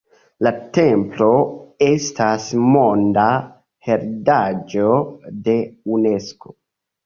La templo estas monda heredaĵo de Unesko.